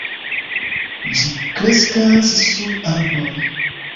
Ĝi kreskas sur arboj.